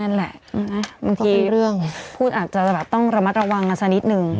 นั่นแหละบางทีเรื่องพูดอาจจะแบบต้องระมัดระวังกันสักนิดนึง